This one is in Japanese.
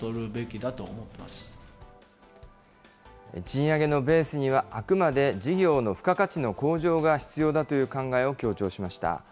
賃上げのベースには、あくまで事業の付加価値の向上が必要だという考えを強調しました。